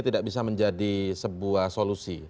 tidak bisa menjadi sebuah solusi